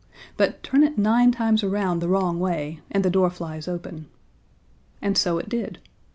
But turn it nine times around the wrong way, and the door flies open." And so it did.